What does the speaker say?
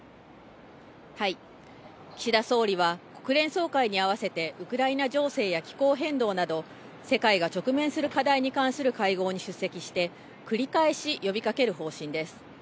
岸田総理は国連総会に合わせてウクライナ情勢や気候変動など世界が直面する課題に関する会合に出席して繰り返し呼びかける方針です。